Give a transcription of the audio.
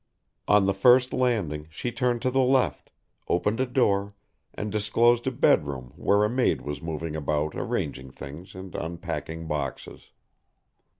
On the first landing she turned to the left, opened a door and disclosed a bed room where a maid was moving about arranging things and unpacking boxes.